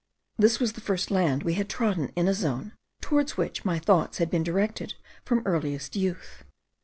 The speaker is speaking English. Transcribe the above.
This was the first land we had trodden in a zone, towards which my thoughts had been directed from earliest youth.